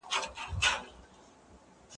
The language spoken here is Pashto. حُسنیار